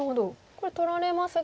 これ取られますが。